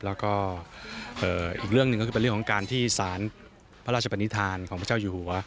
แล้วก็อีกเรื่องหนึ่งก็คือเป็นเรื่องของการที่สารพระราชปนิษฐานของพระเจ้าอยู่หัว